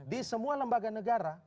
di semua lembaga negara